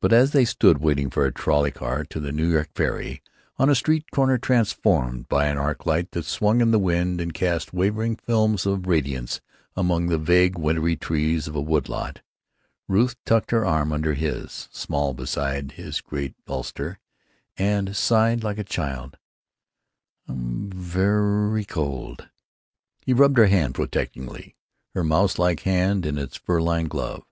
But as they stood waiting for a trolley car to the New York ferry, on a street corner transformed by an arc light that swung in the wind and cast wavering films of radiance among the vague wintry trees of a wood lot, Ruth tucked her arm under his, small beside his great ulster, and sighed like a child: "I am ver ee cold!" He rubbed her hand protectingly, her mouselike hand in its fur lined glove.